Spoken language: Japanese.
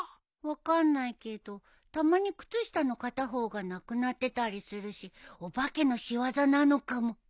分かんないけどたまに靴下の片方がなくなってたりするしお化けの仕業なのかも。